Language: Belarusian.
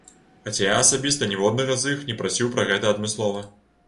Хаця я асабіста ніводнага з іх не прасіў пра гэта адмыслова.